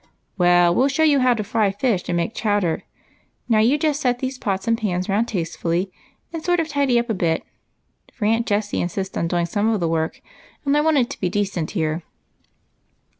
" Well, we '11 show you how to fry fish and make chowder. Now you just set these pots and pans round tastefully, and sort of tidy up a bit, for Aunt Jessie insists on doing some of the work, and I want it to be decent here."